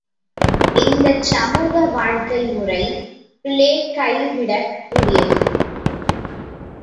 இந்தச் சமூக வாழ்க்கை முறை பிளேக் கை விடக் கொடியது!